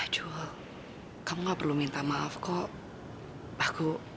jul kamu gak perlu minta maaf kok